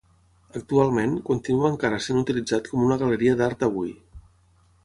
Actualment, continua encara sent utilitzat com una galeria d'art avui.